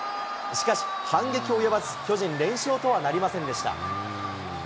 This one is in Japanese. しかし、反撃及ばず、巨人、連勝とはなりませんでした。